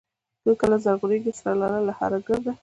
کله زرغونېږي سره لاله له هره ګرده